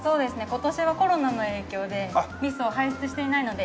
今年はコロナの影響でミスを輩出していないので。